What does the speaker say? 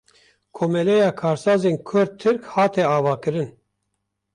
Komeleya Karsazên Kurd-Tirk hate avakirin